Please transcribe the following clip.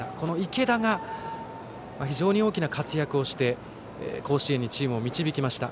池田が非常に大きな活躍をして甲子園にチームを導きました。